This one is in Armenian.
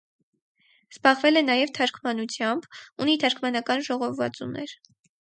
Զբաղվել է նաև թարգմանությամբ, ունի թարգմանական ժողովածուներ։